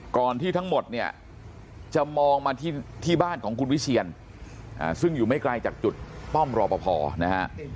ที่ทั้งหมดเนี่ยจะมองมาที่บ้านของคุณวิเชียนซึ่งอยู่ไม่ไกลจากจุดป้อมรอปภนะฮะ